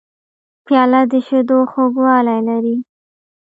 پیاله د شیدو خوږوالی لري.